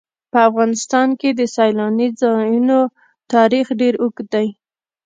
په افغانستان کې د سیلاني ځایونو تاریخ ډېر اوږد دی.